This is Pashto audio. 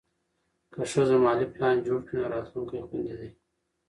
که ښځه مالي پلان جوړ کړي، نو راتلونکی خوندي دی.